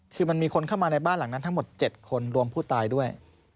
คือมันมีคนเข้ามาในบ้านหลังนั้นทั้งหมด๗คนรวมผู้ตายด้วย